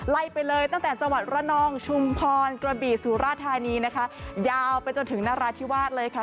ไปเลยตั้งแต่จังหวัดระนองชุมพรกระบี่สุราธานีนะคะยาวไปจนถึงนราธิวาสเลยค่ะ